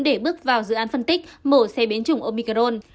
để bước vào dự án phân tích mổ xe biến chủng omicron